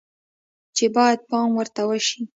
چې باید پام ورته شي